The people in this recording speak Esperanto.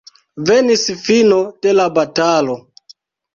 Venis fino de la batalo.